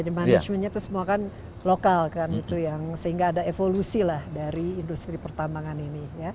dimanagementnya itu semua kan lokal kan itu yang sehingga ada evolusi lah dari industri pertambangan ini